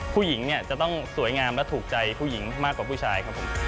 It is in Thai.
ผู้หญิงจะต้องสวยงามและถูกใจผู้หญิงมากกว่าผู้ชาย